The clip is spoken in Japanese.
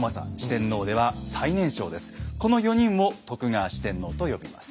この４人を徳川四天王と呼びます。